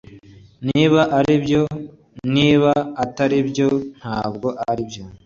Niba aribyo ni Niba atari byo ntabwo aribyo